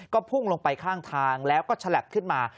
ก็พุ่งลงไปข้างทางแล้วก็ฉลับขึ้นมา